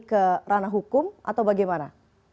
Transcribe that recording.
ke ranah hukum atau bagaimana